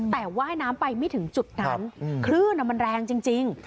แต่ว่ายน้ำไปไม่ถึงจุดนั้นคลื่นมันแรงจริง